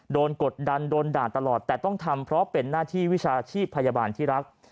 กดดันโดนด่าตลอดแต่ต้องทำเพราะเป็นหน้าที่วิชาชีพพยาบาลที่รัก